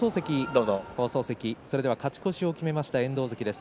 それでは勝ち越しを決めました遠藤関です。